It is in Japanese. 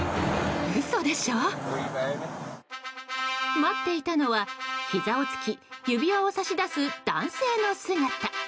待っていたのは、ひざをつき指輪を差し出す男性の姿。